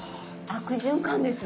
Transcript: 悪循環ですね。